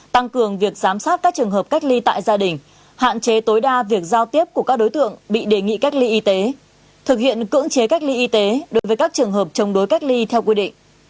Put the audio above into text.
tăng cường việc giám sát các trường hợp cách ly tại gia đình hạn chế tối đa việc giao tiếp của các đối tượng bị đề nghị cách ly y tế thực hiện cưỡng chế cách ly y tế đối với các trường hợp chống đối cách ly theo quy định